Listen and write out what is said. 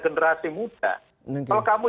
generasi muda kalau kamu